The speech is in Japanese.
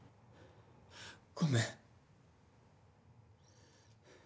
ごめん。